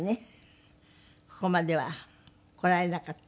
ここまでは来られなかった。